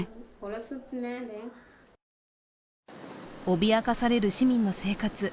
脅かされる市民の生活。